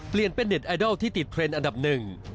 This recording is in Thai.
เปลี่ยนเป็นเน็ตไอดอลที่ติดเทรนด์อันดับหนึ่ง